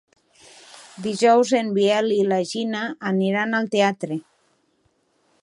Dijous en Biel i na Gina aniran al teatre.